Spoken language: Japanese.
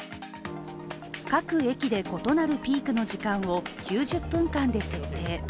各駅で異なるピークの時間を９０分間で設定。